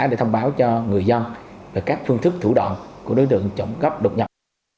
để thông báo cho người dân về các phương thức thủ đoạn của đối tượng trộm cắp đột nhập